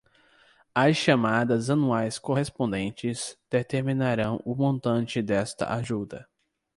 As chamadas anuais correspondentes determinarão o montante desta ajuda.